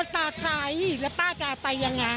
ไปได้ไหน